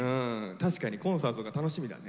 確かにコンサートが楽しみだね。